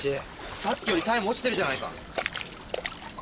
さっきよりタイム落ちてるじゃないか。